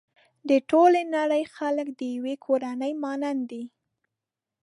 د ټولې نړۍ خلک د يوې کورنۍ مانند دي.